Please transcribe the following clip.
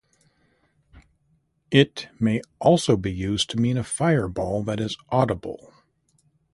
It may also be used to mean a fireball that is audible.